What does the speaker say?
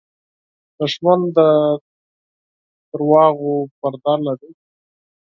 دښمن د دروغو پرده لري